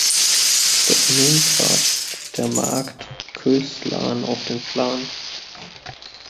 Doch nun trat der Markt Kößlarn auf den Plan.